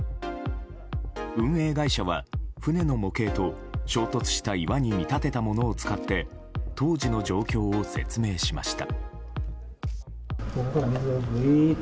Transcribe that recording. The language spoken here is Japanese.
運営会社は船の模型と衝突した岩に見立てたものを使って当時の状況を説明しました。